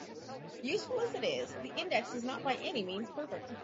Useful as it is, the index is not by any means perfect.